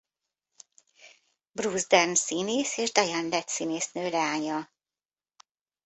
Bruce Dern színész és Diane Ladd színésznő leánya.